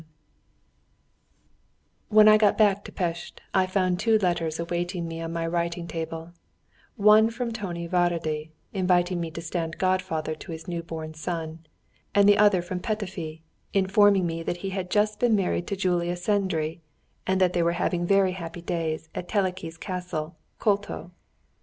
] When I got back to Pest, I found two letters awaiting me on my writing table, one from Tony Várady, inviting me to stand godfather to his new born son, and the other from Petöfi, informing me that he had just been married to Julia Szendrey, and that they were having very happy days at Teleky's Castle, Koltó.